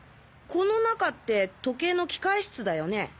この中って時計の機械室だよね？